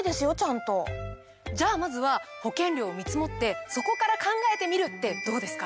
じゃあまずは保険料を見積ってそこから考えてみるってどうですか？